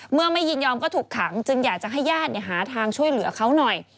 เมื่อไม่ยินยอมก็ถูกขังจึงอยากจะให้ญาติหาทางช่วยเหลือเขาหน่อย